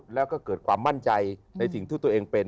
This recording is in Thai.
แล้วก็เกิดความมั่นใจในสิ่งที่ตัวเองเป็น